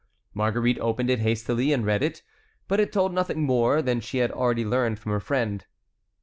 Marguerite opened it hastily and read it; but it told nothing more than she had already learned from her friend.